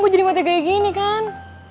aku jadi mati kayak gini kan